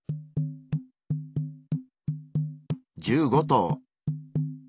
１５頭。